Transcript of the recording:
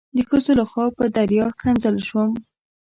د ښځو لخوا په دریا ښکنځل شوم.